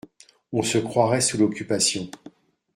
On se croirait sous l’Occupation